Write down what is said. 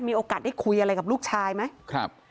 มีโอกาสได้คุยอะไรกับลูกชายไหมครับ